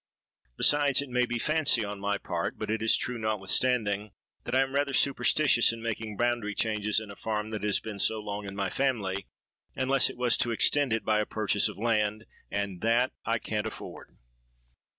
Besides, it may be fancy on my part; but it is true notwithstanding, that I am rather superstitious in making boundary changes in a farm that has been so long in my family; unless it was to extend it by a purchase of land, and that I can't afford.